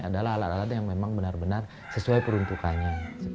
adalah alat alat yang memang benar benar sesuai peruntukannya